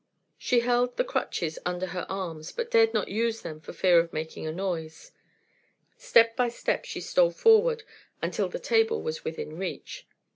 She held the crutches under her arms, but dared not use them for fear of making a noise. Step by step she stole forward until the table was within reach.